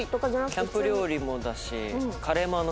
キャンプ料理もだし。